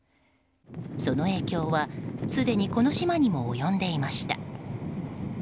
その影響はすでにこの島にも及んでいました。